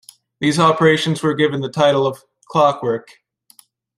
These operations were given the title of "Clockwork".